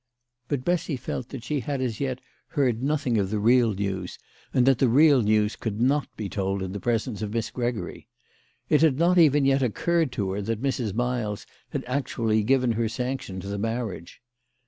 But Bessy felt that she had as yet heard nothing of the real news, and that the real news could not be told in the presence of Miss Gregory. It had not even yet occurred to her that Mrs. Miles had actually given her sanction to the marriage.